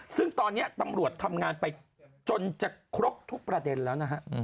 ซึ่งตอนนี้ตำรวจทำงานไปจนจะครบทุกประเด็นแล้วนะฮะ